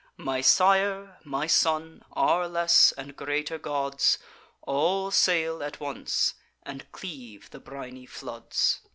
My sire, my son, our less and greater gods, All sail at once, and cleave the briny floods.